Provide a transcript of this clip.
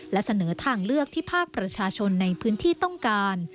และเสนอทางเลือกที่ภาคประชาชนในพื้นที่ต้องการ